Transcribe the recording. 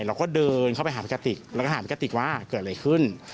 เราก็เดินเข้าไปหาพี่กะติกแล้วก็ถามพี่กติกว่าเกิดอะไรขึ้น